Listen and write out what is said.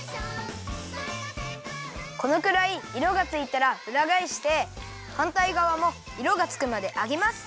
このくらいいろがついたらうらがえしてはんたいがわもいろがつくまで揚げます。